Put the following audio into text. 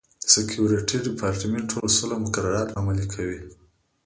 د سکورټي ډیپارټمنټ ټول اصول او مقررات به عملي کوي.